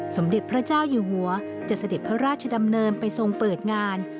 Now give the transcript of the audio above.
สมเด็จพระเจ้าอยู่หัวจะเสด็จพระราชดำเนินไปทรงเปิดงาน